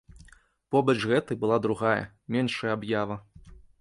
Побач гэтай была другая, меншая аб'ява.